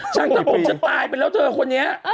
ช่างถ้าผมจะตายไปแล้วเธอคนนี้